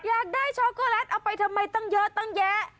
อยากได้ช็อกโกแลตเอาไปทำไมตั้งเยอะตั้งแยะ